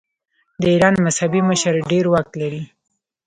د ایران مذهبي مشر ډیر واک لري.